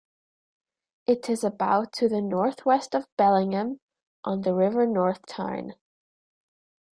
It is about to the northwest of Bellingham, on the River North Tyne.